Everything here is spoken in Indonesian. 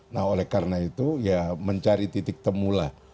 nah oleh karena itu ya mencari titik temu lah